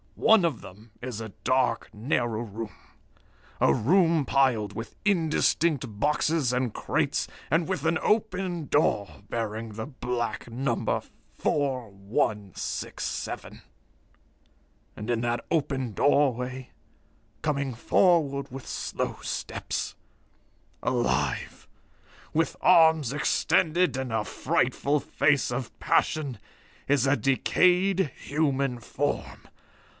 "One of them is a dark, narrow room a room piled with indistinct boxes and crates, and with an open door bearing the black number 4167. And in that open doorway, coming forward with slow steps alive, with arms extended and a frightful face of passion is a decayed human form.